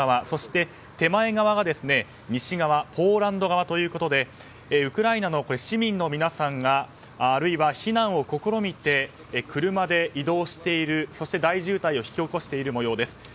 そして手前側は西側ポーランド側ということでウクライナの市民の皆さんが避難を試みて車で移動しているそして大渋滞を引き起こしている模様です。